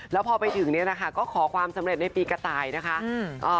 แล้วพอไปถึงเนี่ยนะคะก็ขอความสำเร็จในปีกระต่ายนะคะ